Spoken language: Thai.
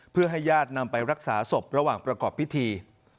เพื่อให้ญาตินำไปรักษาศพระหว่างประกอบพิธี